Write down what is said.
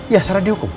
ya sarah dihukum